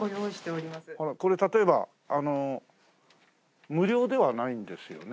これ例えば無料ではないんですよね？